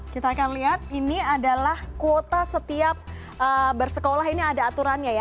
kita akan lihat ini adalah kuota setiap bersekolah ini ada aturannya ya